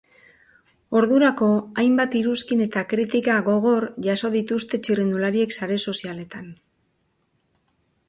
Ordurako hainbat iruzkin eta kritika gogor jaso dituzte txirrindulariek sare sozialetan.